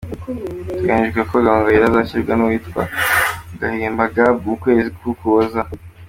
Biteganijwe ko Gahongayire azashyingirwa n’uwitwa Gahima Gab mu kwezi kw’Ukuboza.